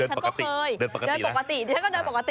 เดินปกตินี่ฉันก็เคยเดินปกตินี่ฉันก็เดินปกติ